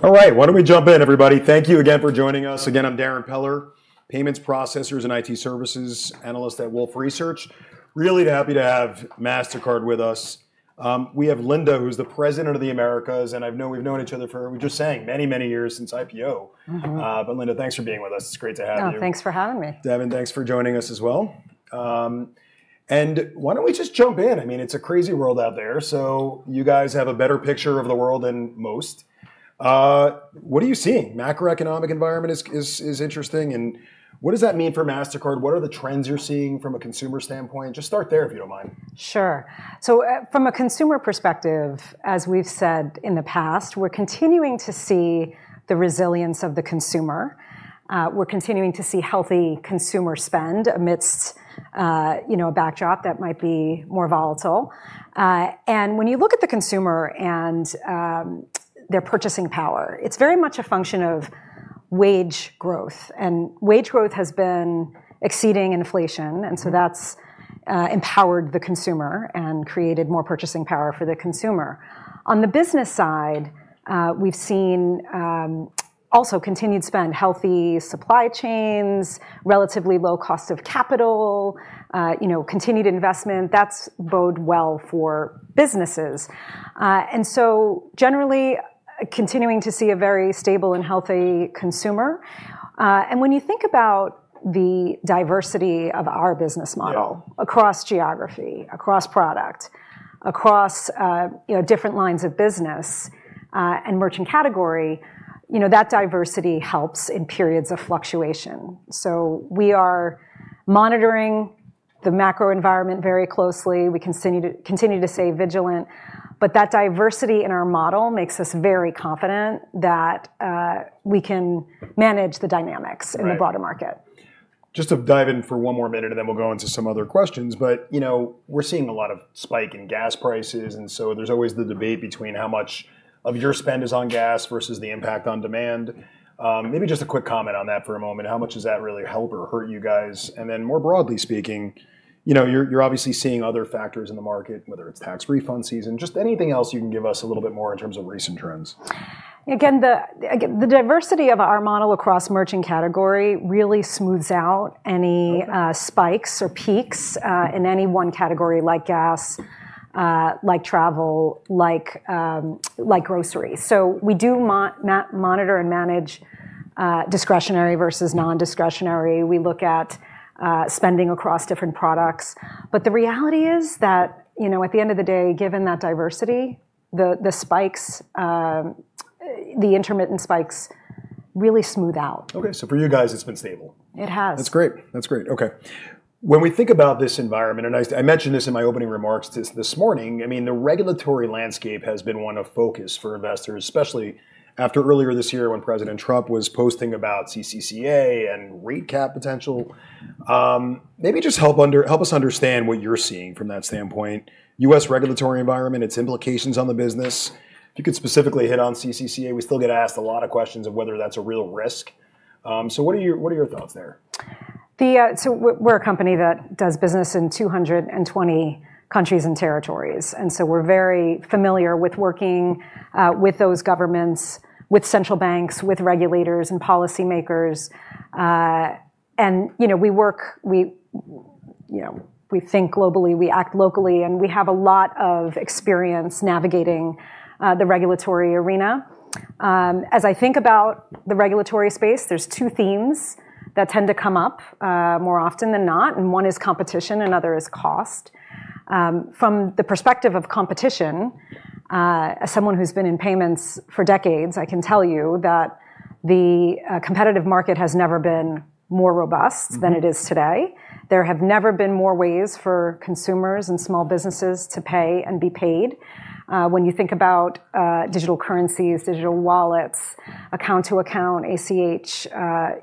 All right. Why don't we jump in, everybody? Thank you again for joining us. Again, I'm Darrin Peller, payments, processors, and IT services analyst at Wolfe Research. Really happy to have Mastercard with us. We have Linda, who's the President of the Americas, and we've known each other for many years since IPO. Mm-hmm. Linda, thanks for being with us. It's great to have you. Oh, thanks for having me. Devin, thanks for joining us as well. Why don't we just jump in? I mean, it's a crazy world out there, so you guys have a better picture of the world than most. What are you seeing? Macroeconomic environment is interesting, and what does that mean for Mastercard? What are the trends you're seeing from a consumer standpoint? Just start there, if you don't mind. Sure. From a consumer perspective, as we've said in the past, we're continuing to see the resilience of the consumer. We're continuing to see healthy consumer spend amidst a backdrop that might be more volatile. When you look at the consumer and their purchasing power, it's very much a function of wage growth. Wage growth has been exceeding inflation, and so that's empowered the consumer and created more purchasing power for the consumer. On the business side, we've seen also continued spend, healthy supply chains, relatively low cost of capital, continued investment. That bodes well for businesses. Generally continuing to see a very stable and healthy consumer. When you think about the diversity of our business model. Yeah across geography, across product, you know, different lines of business, and merchant category, you know, that diversity helps in periods of fluctuation. We are monitoring the macro environment very closely. We continue to stay vigilant. But that diversity in our model makes us very confident that we can manage the dynamics. Right in the broader market. Just to dive in for one more minute, and then we'll go into some other questions. You know, we're seeing a lot of spike in gas prices, and so there's always the debate between how much of your spend is on gas versus the impact on demand. Maybe just a quick comment on that for a moment. How much does that really help or hurt you guys? More broadly speaking, you know, you're obviously seeing other factors in the market, whether it's tax refund season. Just anything else you can give us a little bit more in terms of recent trends. Again, the diversity of our model across merchant category really smooths out any- Okay Spikes or peaks in any one category like gas like travel like groceries. We do monitor and manage discretionary versus non-discretionary. We look at spending across different products. The reality is that, you know, at the end of the day, given that diversity, the spikes, the intermittent spikes really smooth out. Okay. For you guys, it's been stable. It has. That's great. Okay. When we think about this environment, I mentioned this in my opening remarks this morning, I mean, the regulatory landscape has been one of focus for investors, especially after earlier this year when President Trump was posting about CCCA and rate cap potential. Maybe just help us understand what you're seeing from that standpoint. U.S. regulatory environment, its implications on the business. If you could specifically hit on CCCA, we still get asked a lot of questions of whether that's a real risk. What are your thoughts there? We're a company that does business in 220 countries and territories, and we're very familiar with working with those governments, with central banks, with regulators and policymakers. You know, we work, you know, we think globally, we act locally, and we have a lot of experience navigating the regulatory arena. As I think about the regulatory space, there's two themes that tend to come up more often than not, and one is competition and other is cost. From the perspective of competition, as someone who's been in payments for decades, I can tell you that the competitive market has never been more robust. Mm-hmm than it is today. There have never been more ways for consumers and small businesses to pay and be paid. When you think about digital currencies, digital wallets, account to account, ACH,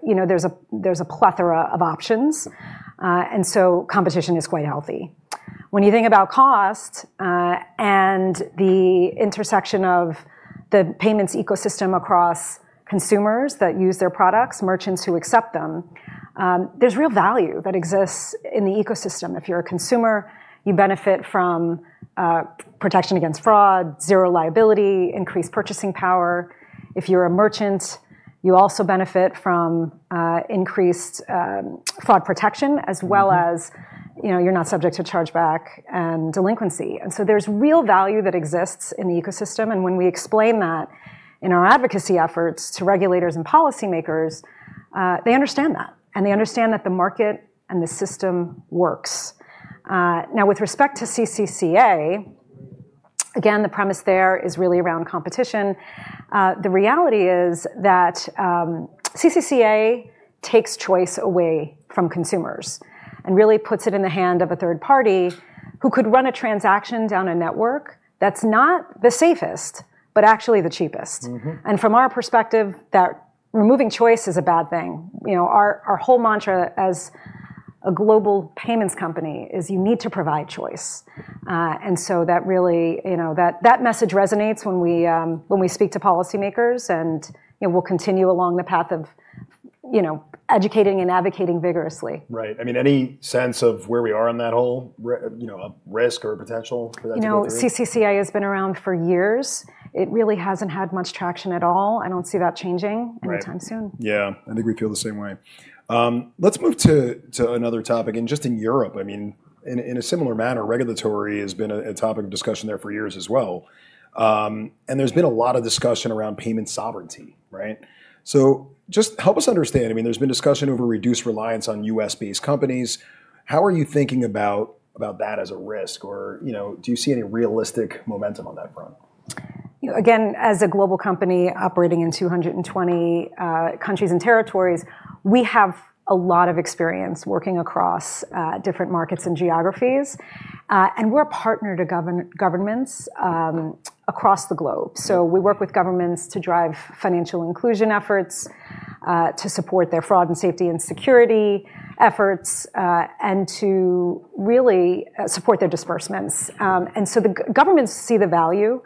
you know, there's a plethora of options. Competition is quite healthy. When you think about cost and the intersection of the payments ecosystem across consumers that use their products, merchants who accept them, there's real value that exists in the ecosystem. If you're a consumer, you benefit from protection against fraud, zero liability, increased purchasing power. If you're a merchant, you also benefit from increased fraud protection as well as, you know, you're not subject to chargeback and delinquency. There's real value that exists in the ecosystem, and when we explain that in our advocacy efforts to regulators and policymakers, they understand that, and they understand that the market and the system works. Now with respect to CCCA, again, the premise there is really around competition. The reality is that CCCA takes choice away from consumers and really puts it in the hand of a third party who could run a transaction down a network that's not the safest, but actually the cheapest. Mm-hmm. From our perspective, that removing choice is a bad thing. You know, our whole mantra as a global payments company is you need to provide choice. That really resonates when we speak to policymakers, you know. We'll continue along the path of educating and advocating vigorously. Right. I mean, any sense of where we are on that whole you know, risk or potential for that to get through? You know, CCCA has been around for years. It really hasn't had much traction at all. I don't see that changing. Right anytime soon. Yeah. I think we feel the same way. Let's move to another topic. Just in Europe, in a similar manner, regulation has been a topic of discussion there for years as well. There's been a lot of discussion around payment sovereignty, right? Just help us understand. There's been discussion over reduced reliance on U.S.-based companies. How are you thinking about that as a risk? Or, you know, do you see any realistic momentum on that front? You know, again, as a global company operating in 220 countries and territories, we have a lot of experience working across different markets and geographies. We're a partner to governments across the globe. We work with governments to drive financial inclusion efforts, to support their fraud and safety and security efforts, and to really support their disbursements. The governments see the value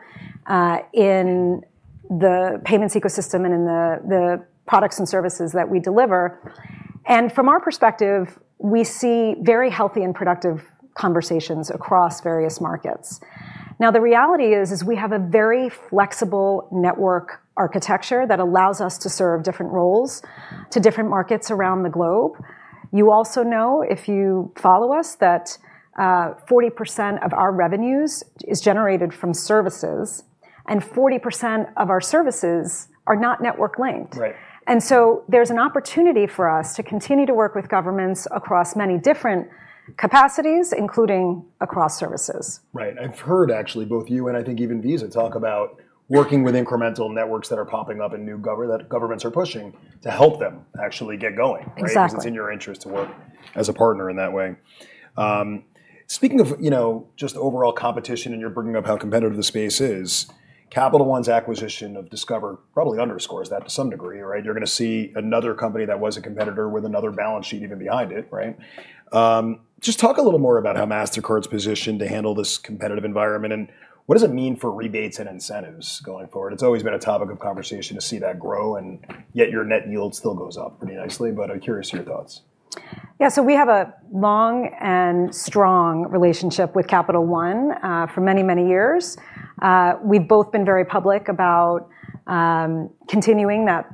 in the payments ecosystem and in the products and services that we deliver. From our perspective, we see very healthy and productive conversations across various markets. Now, the reality is we have a very flexible network architecture that allows us to serve different roles to different markets around the globe. You also know, if you follow us, that 40% of our revenues is generated from services, and 40% of our services are not network linked. Right. There's an opportunity for us to continue to work with governments across many different capacities, including across services. Right. I've heard actually both you and I think even Visa talk about working with incremental networks that are popping up and that governments are pushing to help them actually get going, right? Exactly. 'Cause it's in your interest to work as a partner in that way. Speaking of, you know, just overall competition, and you're bringing up how competitive the space is, Capital One's acquisition of Discover probably underscores that to some degree, right? You're gonna see another company that was a competitor with another balance sheet even behind it, right? Just talk a little more about how Mastercard's positioned to handle this competitive environment, and what does it mean for rebates and incentives going forward? It's always been a topic of conversation to see that grow, and yet your net yield still goes up pretty nicely, but I'm curious your thoughts. We have a long and strong relationship with Capital One for many, many years. We've both been very public about continuing that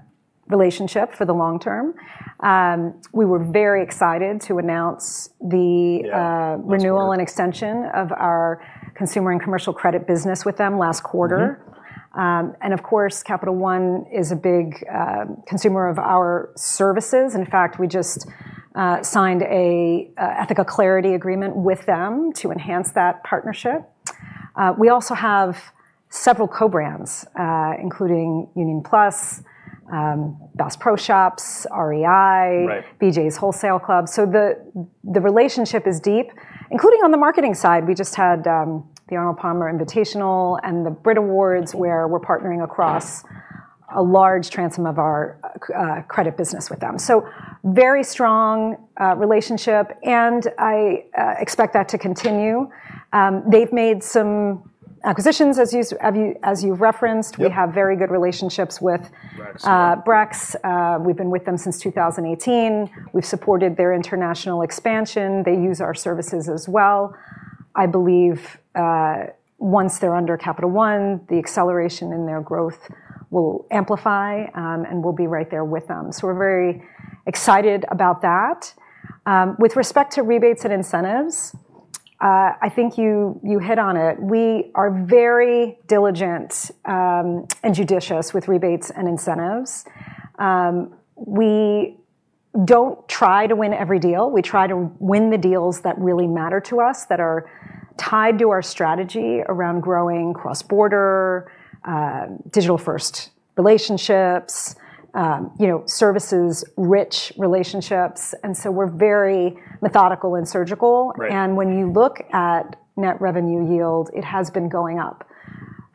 relationship for the long term. We were very excited to announce the Yeah. Let's hear it. renewal and extension of our consumer and commercial credit business with them last quarter. Mm-hmm. Of course, Capital One is a big consumer of our services. In fact, we just signed a Ethoca Clarity agreement with them to enhance that partnership. We also have several co-brands, including Union Plus, Bass Pro Shops, REI- Right BJ's Wholesale Club. The relationship is deep, including on the marketing side. We just had the Arnold Palmer Invitational and the BRIT Awards where we're partnering across a large swath of our credit business with them. Very strong relationship, and I expect that to continue. They've made some acquisitions, as you referenced. Yep. We have very good relationships with. Brex. Brex. We've been with them since 2018. We've supported their international expansion. They use our services as well. I believe, once they're under Capital One, the acceleration in their growth will amplify, and we'll be right there with them. We're very excited about that. With respect to rebates and incentives, I think you hit on it. We are very diligent and judicious with rebates and incentives. We don't try to win every deal. We try to win the deals that really matter to us, that are tied to our strategy around growing cross-border, digital-first relationships, you know, services-rich relationships, and we're very methodical and surgical. Right. When you look at net revenue yield, it has been going up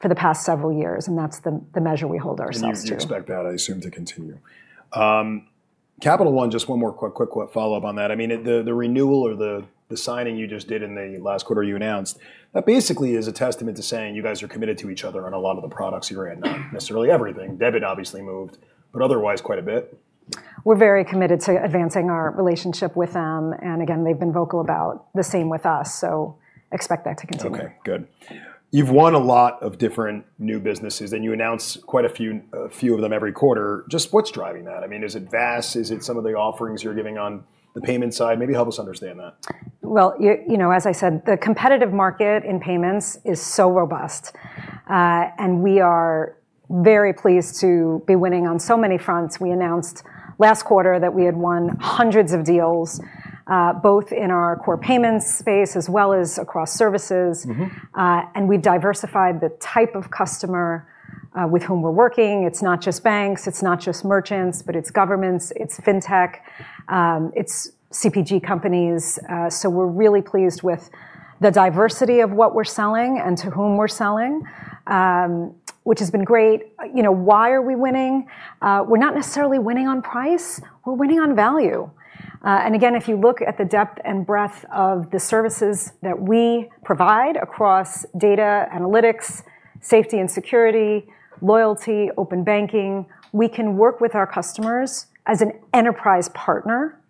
for the past several years, and that's the measure we hold ourselves to. You expect that, I assume, to continue. Capital One, just one more quick follow-up on that. I mean, the renewal or the signing you just did in the last quarter you announced, that basically is a testament to saying you guys are committed to each other on a lot of the products you're in. Not necessarily everything. Debit obviously moved, but otherwise quite a bit. We're very committed to advancing our relationship with them, and again, they've been vocal about the same with us, so expect that to continue. Okay. Good. You've won a lot of different new businesses, and you announce quite a few of them every quarter. Just what's driving that? I mean, is it VAS? Is it some of the offerings you're giving on the payment side? Maybe help us understand that. Well, you know, as I said, the competitive market in payments is so robust, and we are very pleased to be winning on so many fronts. We announced last quarter that we had won hundreds of deals, both in our core payments space as well as across services. Mm-hmm. We've diversified the type of customer with whom we're working. It's not just banks, it's not just merchants, but it's governments, it's fintech, it's CPG companies, so we're really pleased with the diversity of what we're selling and to whom we're selling, which has been great. You know, why are we winning? We're not necessarily winning on price. We're winning on value. Again, if you look at the depth and breadth of the services that we provide across data analytics, safety and security, loyalty, open banking, we can work with our customers as an enterprise partner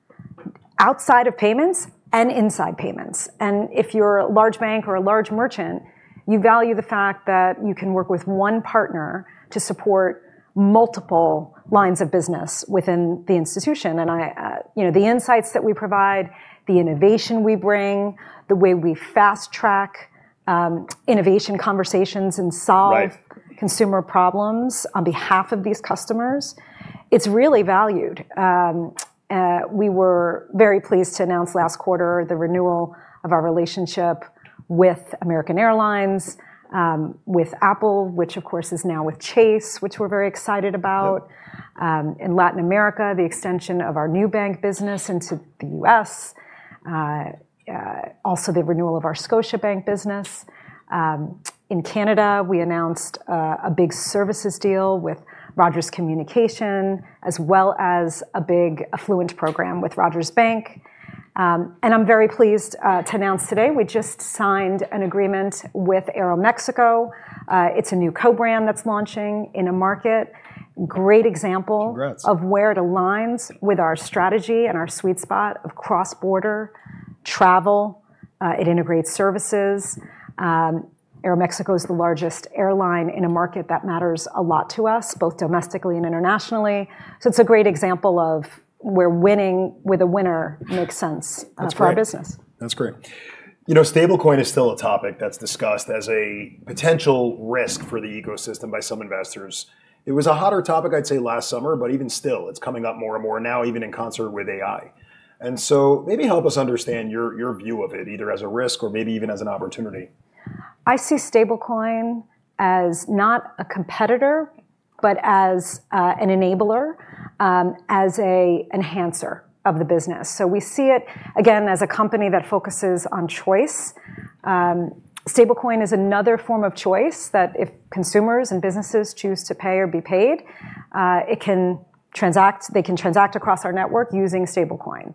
outside of payments and inside payments. If you're a large bank or a large merchant, you value the fact that you can work with one partner to support multiple lines of business within the institution. I, you know, the insights that we provide, the innovation we bring, the way we fast-track innovation conversations and solve Right consumer problems on behalf of these customers, it's really valued. We were very pleased to announce last quarter the renewal of our relationship with American Airlines, with Apple, which of course is now with Chase, which we're very excited about. Yep. In Latin America, the extension of our Nubank business into the U.S. Also the renewal of our Scotiabank business. In Canada, we announced a big services deal with Rogers Communications, as well as a big affluent program with Rogers Bank. I'm very pleased to announce today we just signed an agreement with Aeroméxico. It's a new co-brand that's launching in a market. Great example. Congrats of where it aligns with our strategy and our sweet spot of cross-border travel. It integrates services. Aeroméxico is the largest airline in a market that matters a lot to us, both domestically and internationally. It's a great example of where winning with a winner makes sense. That's great. for our business. That's great. You know, stablecoin is still a topic that's discussed as a potential risk for the ecosystem by some investors. It was a hotter topic, I'd say, last summer, but even still, it's coming up more and more now, even in concert with AI. Maybe help us understand your view of it, either as a risk or maybe even as an opportunity. I see stablecoin as not a competitor, but as an enabler, as an enhancer of the business. We see it, again, as a company that focuses on choice. Stablecoin is another form of choice that if consumers and businesses choose to pay or be paid, they can transact across our network using stablecoin.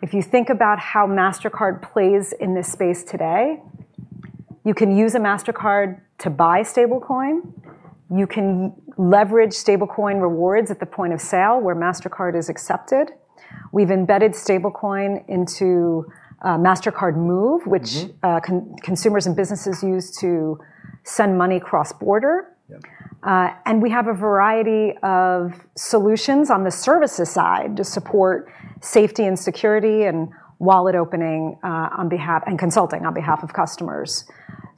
If you think about how Mastercard plays in this space today, you can use a Mastercard to buy stablecoin. You can leverage stablecoin rewards at the point of sale where Mastercard is accepted. We've embedded stablecoin into Mastercard Move. Mm-hmm which, consumers and businesses use to send money cross-border. Yep. We have a variety of solutions on the services side to support safety and security and wallet opening and consulting on behalf of customers.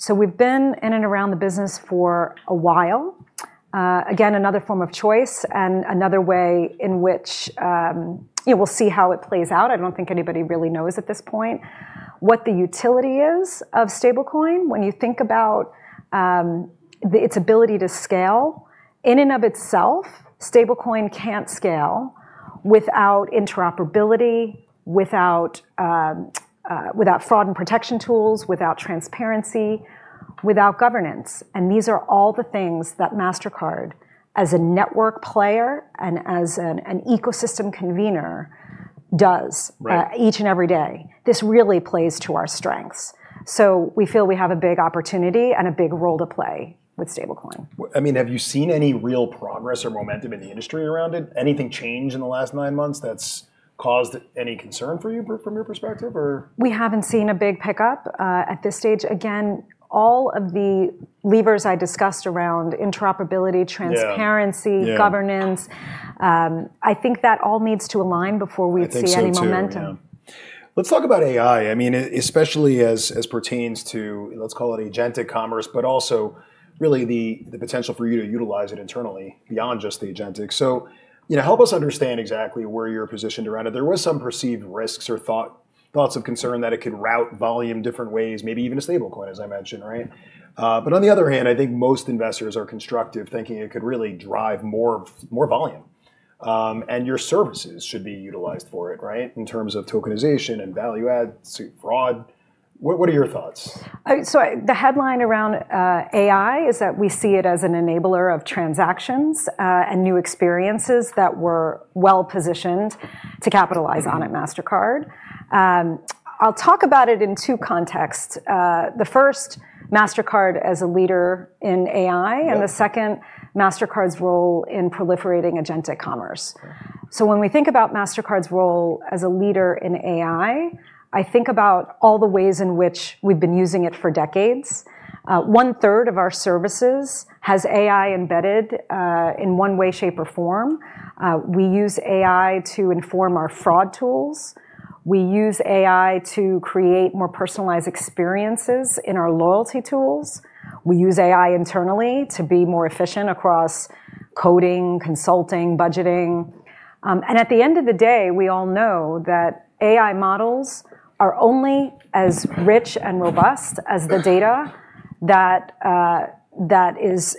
We've been in and around the business for a while. Again, another form of choice and another way in which we'll see how it plays out. I don't think anybody really knows at this point what the utility is of stablecoin. When you think about its ability to scale, in and of itself, stablecoin can't scale without interoperability, without fraud and protection tools, without transparency, without governance. These are all the things that Mastercard as a network player and as an ecosystem convener does. Right each and every day. This really plays to our strengths. We feel we have a big opportunity and a big role to play with stablecoin. I mean, have you seen any real progress or momentum in the industry around it? Anything change in the last nine months that's caused any concern for you, from your perspective, or? We haven't seen a big pickup at this stage. Again, all of the levers I discussed around interoperability. Yeah... transparency- Yeah governance, I think that all needs to align before we- I think so too, yeah. see any momentum. Let's talk about AI. I mean, especially as pertains to, let's call it agentic commerce, but also really the potential for you to utilize it internally beyond just the agentic. You know, help us understand exactly where you're positioned around it. There was some perceived risks or thoughts of concern that it could route volume different ways, maybe even to stablecoin, as I mentioned, right? But on the other hand, I think most investors are constructive, thinking it could really drive more volume. Your services should be utilized for it, right? In terms of tokenization and value add to fraud. What are your thoughts? The headline around AI is that we see it as an enabler of transactions and new experiences that we're well-positioned to capitalize on at Mastercard. I'll talk about it in two contexts. The first, Mastercard as a leader in AI. Yeah. The second, Mastercard's role in proliferating agentic commerce. When we think about Mastercard's role as a leader in AI, I think about all the ways in which we've been using it for decades. One-third of our services has AI embedded in one way, shape, or form. We use AI to inform our fraud tools. We use AI to create more personalized experiences in our loyalty tools. We use AI internally to be more efficient across coding, consulting, budgeting. At the end of the day, we all know that AI models are only as rich and robust as the data that is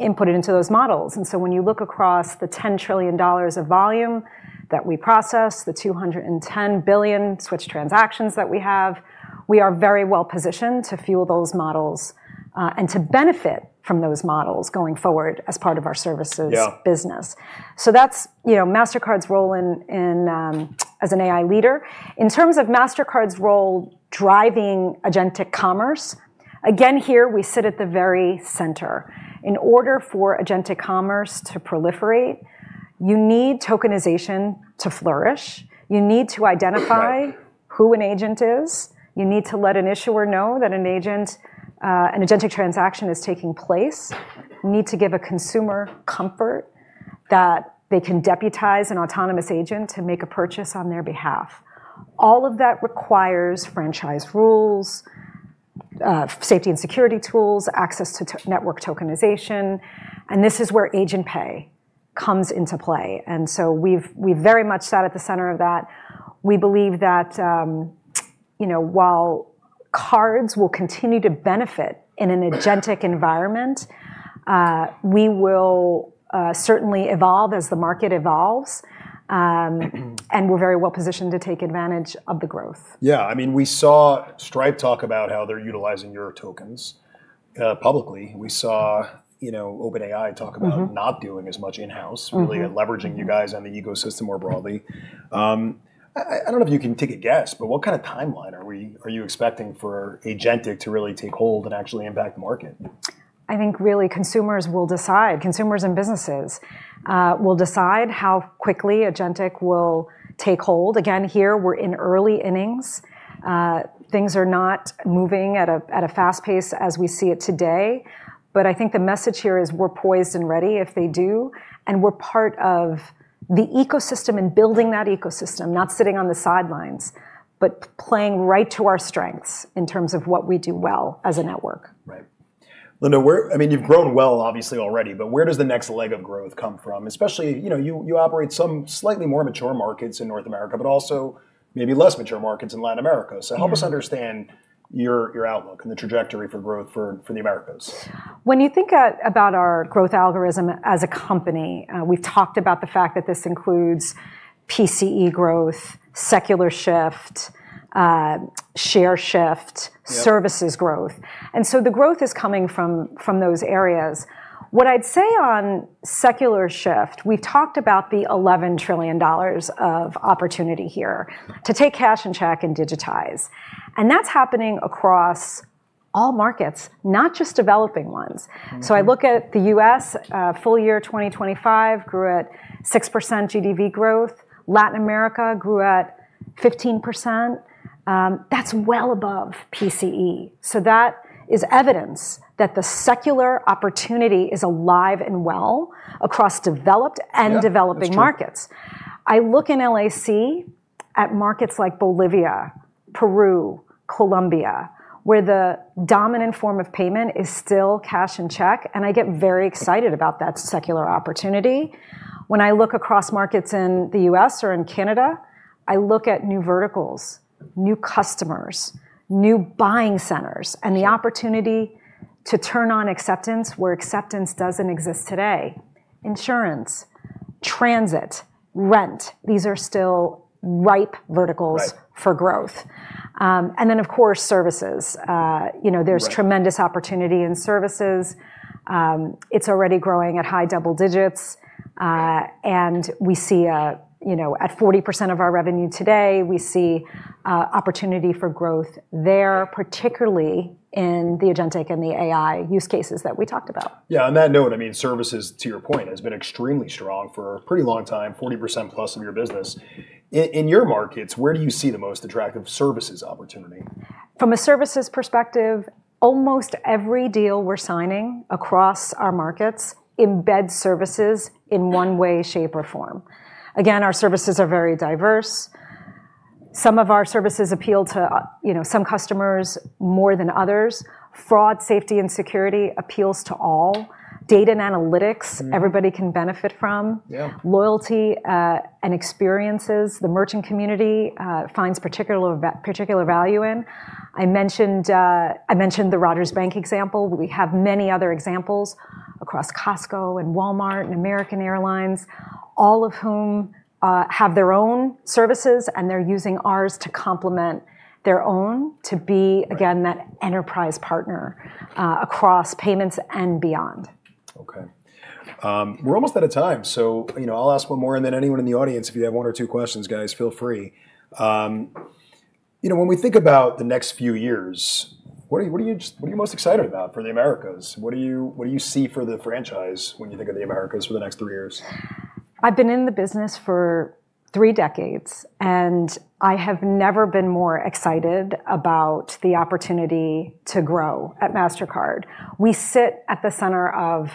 inputted into those models. When you look across the $10 trillion of volume that we process, the $210 billion switched transactions that we have, we are very well-positioned to fuel those models and to benefit from those models going forward as part of our services. Yeah... business. That's, you know, Mastercard's role in as an AI leader. In terms of Mastercard's role driving agentic commerce. Again, here we sit at the very center. In order for agentic commerce to proliferate, you need tokenization to flourish. You need to identify. Right... who an agent is. You need to let an issuer know that an agent, an agentic transaction is taking place. You need to give a consumer comfort that they can deputize an autonomous agent to make a purchase on their behalf. All of that requires franchise rules, safety and security tools, access to network tokenization, and this is where Agent Pay comes into play. We very much sat at the center of that. We believe that, you know, while cards will continue to benefit in an agentic environment, we will certainly evolve as the market evolves. Mm-hmm We're very well positioned to take advantage of the growth. Yeah. I mean, we saw Stripe talk about how they're utilizing your tokens publicly. We saw, you know, OpenAI talk about Mm-hmm not doing as much in-house. Mm-hmm Really, leveraging you guys on the ecosystem more broadly. I don't know if you can take a guess, but what kind of timeline are you expecting for agentic to really take hold and actually impact the market? I think really consumers will decide. Consumers and businesses will decide how quickly agentic will take hold. Again, here we're in early innings. Things are not moving at a fast pace as we see it today. I think the message here is we're poised and ready if they do, and we're part of the ecosystem and building that ecosystem, not sitting on the sidelines, but playing right to our strengths in terms of what we do well as a network. Right. Linda, where, I mean, you've grown well obviously already, but where does the next leg of growth come from? Especially, you know, you operate some slightly more mature markets in North America, but also maybe less mature markets in Latin America. Yeah. Help us understand your outlook and the trajectory for growth for the Americas? When you think about our growth algorithm as a company, we've talked about the fact that this includes PCE growth, secular shift, share shift. Yeah Services growth. The growth is coming from those areas. What I'd say on secular shift, we talked about the $11 trillion of opportunity here to take cash and check and digitize, and that's happening across all markets, not just developing ones. Mm-hmm. I look at the U.S., full year 2025 grew at 6% GDV growth. Latin America grew at 15%. That's well above PCE. That is evidence that the secular opportunity is alive and well across developed and- Yeah, that's true. developing markets. I look in LAC at markets like Bolivia, Peru, Colombia, where the dominant form of payment is still cash and check, and I get very excited about that secular opportunity. When I look across markets in the U.S. or in Canada, I look at new verticals, new customers, new buying centers. Sure the opportunity to turn on acceptance where acceptance doesn't exist today. Insurance, transit, rent, these are still ripe verticals. Right for growth. Of course, services. You know Right There's tremendous opportunity in services. It's already growing at high double digits. Yeah We see, you know, at 40% of our revenue today, we see opportunity for growth there, particularly in the agentic and the AI use cases that we talked about. Yeah. On that note, I mean, services, to your point, has been extremely strong for a pretty long time, 40% plus of your business. In your markets, where do you see the most attractive services opportunity? From a services perspective, almost every deal we're signing across our markets embeds services in one way, shape, or form. Again, our services are very diverse. Some of our services appeal to, you know, some customers more than others. Fraud, safety, and security appeals to all. Data and analytics. Mm-hmm Everybody can benefit from. Yeah. Loyalty and experiences, the merchant community finds particular value in. I mentioned the Rogers Bank example. We have many other examples across Costco and Walmart and American Airlines, all of whom have their own services, and they're using ours to complement their own to be Right... again, that enterprise partner, across payments and beyond. Okay. We're almost out of time, so, you know, I'll ask one more, and then anyone in the audience, if you have one or two questions, guys, feel free. You know, when we think about the next few years, what are you most excited about for the Americas? What do you see for the franchise when you think of the Americas for the next three years? I've been in the business for three decades, and I have never been more excited about the opportunity to grow at Mastercard. We sit at the center of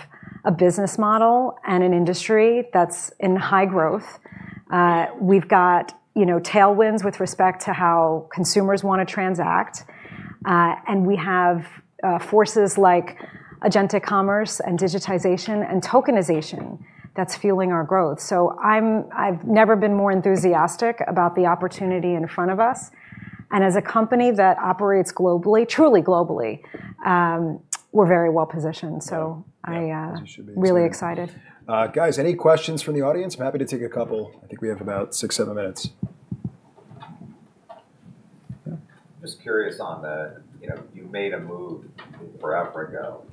a business model and an industry that's in high growth. We've got, you know, tailwinds with respect to how consumers wanna transact, and we have forces like agentic commerce and digitization and tokenization that's fueling our growth. I've never been more enthusiastic about the opportunity in front of us, and as a company that operates globally, truly globally, we're very well positioned. Yeah. As you should be really excited. Guys, any questions from the audience? I'm happy to take a couple. I think we have about six, seven minutes. Yeah. Just curious on the. You know, you made a move forever ago,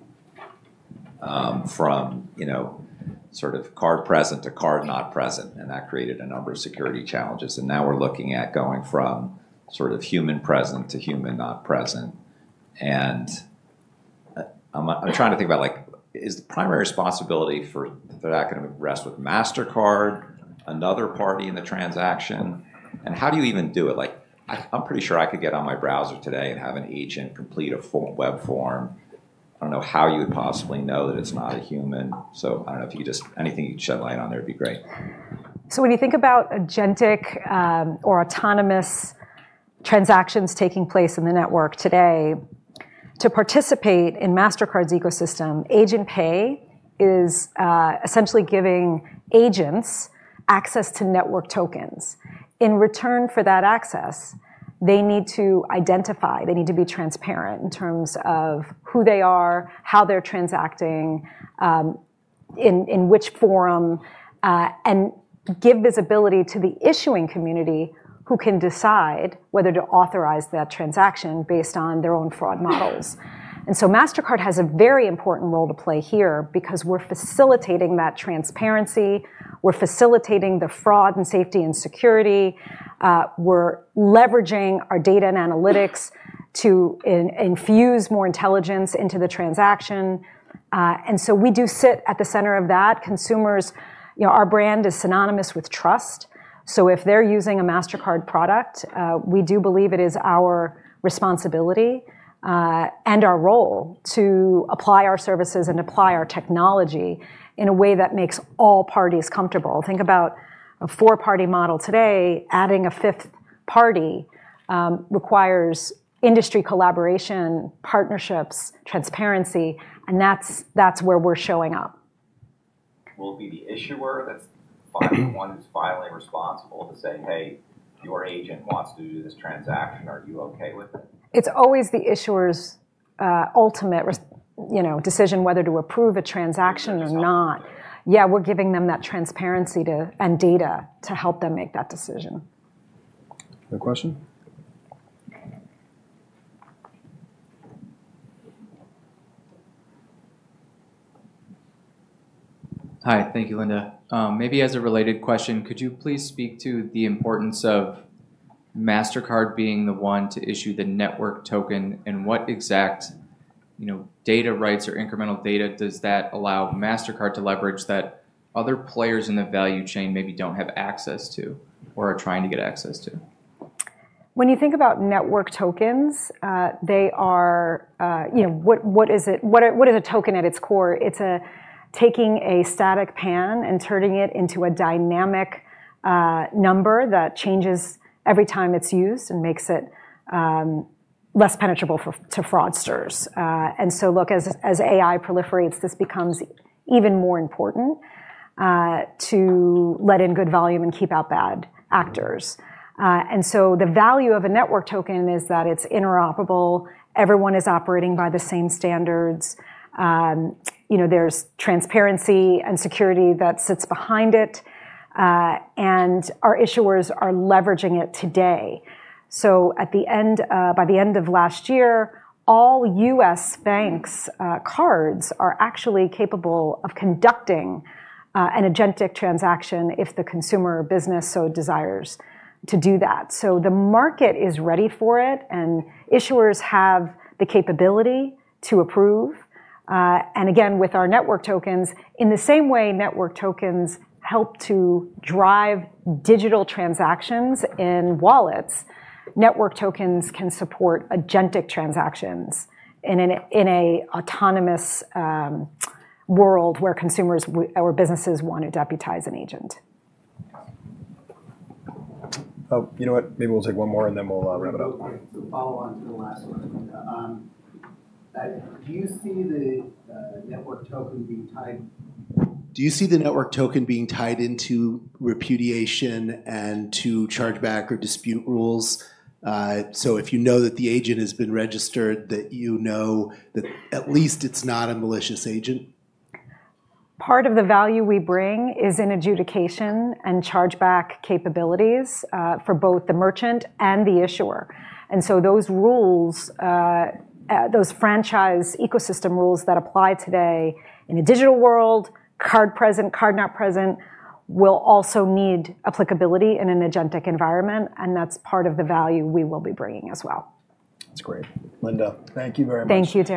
from, you know, sort of card present to card not present, and that created a number of security challenges. Now we're looking at going from sort of human present to human not present. I'm trying to think about, like, is the primary responsibility for that gonna rest with Mastercard, another party in the transaction? How do you even do it? Like, I'm pretty sure I could get on my browser today and have an agent complete a form, web form. I don't know how you would possibly know that it's not a human. I don't know if you just. Anything you can shed light on there would be great. When you think about agentic or autonomous transactions taking place in the network today, to participate in Mastercard's ecosystem, Agent Pay is essentially giving agents access to network tokens. In return for that access, they need to identify. They need to be transparent in terms of who they are, how they're transacting, in which forum, and give visibility to the issuing community who can decide whether to authorize that transaction based on their own fraud models. Mastercard has a very important role to play here because we're facilitating that transparency, we're facilitating the fraud and safety and security, we're leveraging our data and analytics to infuse more intelligence into the transaction. We do sit at the center of that. Consumers. You know, our brand is synonymous with trust, so if they're using a Mastercard product, we do believe it is our responsibility, and our role to apply our services and apply our technology in a way that makes all parties comfortable. Think about a four-party model today, adding a fifth party, requires industry collaboration, partnerships, transparency, and that's where we're showing up. Will it be the issuer that's the one who's finally responsible to say, "Hey, your agent wants to do this transaction. Are you okay with it? It's always the issuer's ultimate, you know, decision whether to approve a transaction or not. Result. Yeah. We're giving them that transparency too, and data to help them make that decision. Another question? Hi. Thank you, Linda. Maybe as a related question, could you please speak to the importance of Mastercard being the one to issue the network token, and what exact, you know, data rights or incremental data does that allow Mastercard to leverage that other players in the value chain maybe don't have access to or are trying to get access to? When you think about network tokens, they are, you know. What is a token at its core? It's taking a static PAN and turning it into a dynamic number that changes every time it's used and makes it less penetrable to fraudsters. Look, as AI proliferates, this becomes even more important to let in good volume and keep out bad actors. The value of a network token is that it's interoperable, everyone is operating by the same standards, you know, there's transparency and security that sits behind it, and our issuers are leveraging it today. At the end, by the end of last year, all U.S. banks' cards are actually capable of conducting an agentic transaction if the consumer or business so desires to do that. The market is ready for it, and issuers have the capability to approve. Again, with our network tokens, in the same way network tokens help to drive digital transactions in wallets, network tokens can support agentic transactions in an autonomous world where consumers or businesses want to deputize an agent. Oh, you know what? Maybe we'll take one more, and then we'll wrap it up. Okay. To follow on to the last one. Do you see the network token being tied into repudiation and to chargeback or dispute rules? If you know that the agent has been registered, you know that at least it's not a malicious agent. Part of the value we bring is in adjudication and chargeback capabilities for both the merchant and the issuer. Those franchise ecosystem rules that apply today in a digital world, card present, card not present, will also need applicability in an agentic environment, and that's part of the value we will be bringing as well. That's great. Linda, thank you very much. Thank you, Darrin.